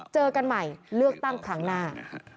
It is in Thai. เจอกันใหม่เลือกตั้งครั้งหน้า